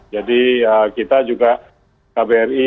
jadi kita juga kbri